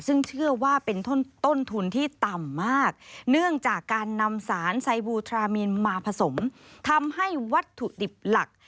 ซึ่งเชื่อว่าเป็นต้นทุนที่ต่ำมากเนื่องจากการนำสารไซบูทรามีนมาผสมทำให้วัตถุดิบหลัก